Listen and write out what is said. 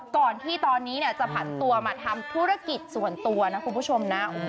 ก่อนที่ตอนนี้จะผันตัวมาทำธุรกิจส่วนตัวนะคุณผู้ชมนะ